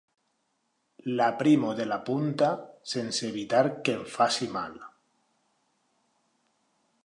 L'aprimo de la punta sense evitar que em faci mal.